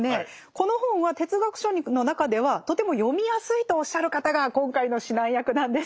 この本は哲学書の中ではとても読みやすいとおっしゃる方が今回の指南役なんです。